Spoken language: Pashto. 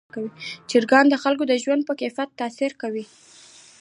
چرګان د خلکو د ژوند په کیفیت تاثیر کوي.